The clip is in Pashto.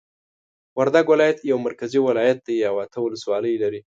وردګ ولایت یو مرکزی ولایت دی او اته ولسوالۍ لری